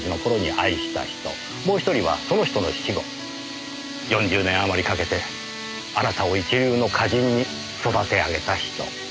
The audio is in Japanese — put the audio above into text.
もう１人はその人の死後４０年余りかけてあなたを一流の歌人に育て上げた人。